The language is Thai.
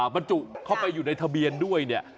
บรรจุเข้าไปอยู่ในทะเบียนด้วยเนี่ย